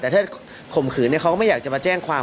แต่ถ้าข่มขืนเขาก็ไม่อยากจะมาแจ้งความ